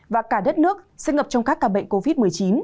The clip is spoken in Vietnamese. và cả đất nước sẽ ngập trong các ca bệnh covid một mươi chín